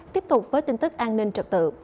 tiếp tục với tin tức an ninh trật tự